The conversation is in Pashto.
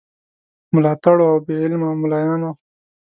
ملاتړو او بې علمو مُلایانو.